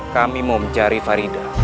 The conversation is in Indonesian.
kami mau mencari farida